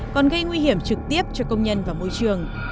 còn gây nguy hiểm trực tiếp cho công nhân và môi trường